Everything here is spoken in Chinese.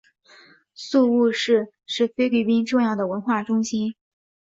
宿雾市是菲律宾重要的文化中心。